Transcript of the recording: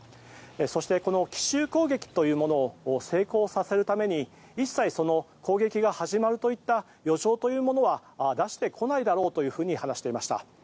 そして、奇襲攻撃というものを成功させるために一切、攻撃が始まるといった予兆というものは出してこないだろうと話していました。